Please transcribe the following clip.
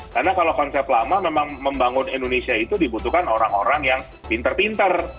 karena kalau konsep lama memang membangun indonesia itu dibutuhkan orang orang yang pinter pinter